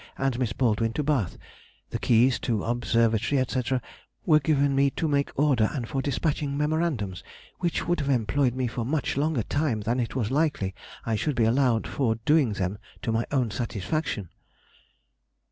and Miss Baldwin to Bath, the keys to Obs., &c., were given me to make order and for despatching memorandums which would have employed me for much longer time than it was likely I should be allowed for doing them to my own satisfaction.